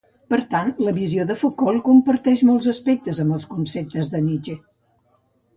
Per tant, la visió de Foucault comparteix molts aspectes amb els conceptes de Nietzsche.